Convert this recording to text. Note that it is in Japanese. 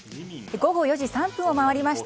午後４時３分を回りました。